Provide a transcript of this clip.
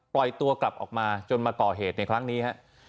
ปล่อยตัวกลับออกมาจนมาก่อเหตุในครั้งนี้ฮะ